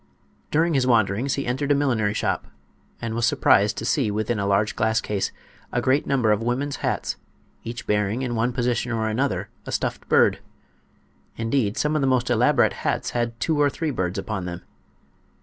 During his wanderings he entered a millinery shop, and was surprised to see within a large glass case a great number of women's hats, each bearing in one position or another a stuffed bird. Indeed, some of the most elaborate hats had two or three birds upon them.